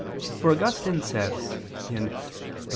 For Augustine says (Gen. ad lit.